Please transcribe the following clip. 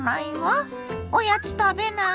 おやつ食べないの？